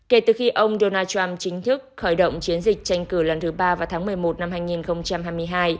kể từ khi ông donald trump chính thức khởi động chiến dịch tranh cử lần thứ ba vào tháng một mươi một năm hai nghìn hai mươi hai